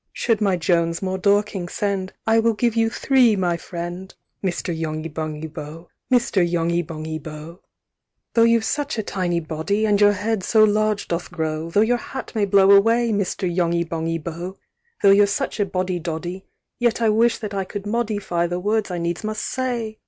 " Should my Jones more Dorkings send, "I will give you three, my friend! "Mr. Yonghy Bonghy Bò! "Mr. Yonghy Bonghy Bò! VII. "Though you've such a tiny body, "And your head so large doth grow, "Though your hat may blow away, "Mr. Yonghy Bonghy Bò! "Though you're such a Boddy Doddy "Yet I wish that I could modi "fy the words I needs must say!